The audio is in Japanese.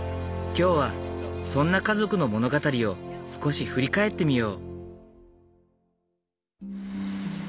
今日はそんな家族の物語を少し振り返ってみよう。